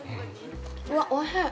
うわっ、おいしい！